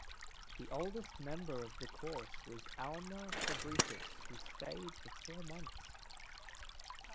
The oldest member of the course was Alma Fabritius, who stayed for four months.